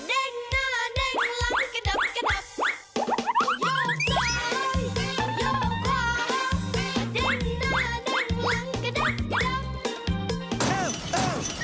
ยกซ้ายยกขวาเน่งหน้าเน่งหลังกระดับกระดับ